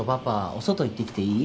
お外行ってきていい？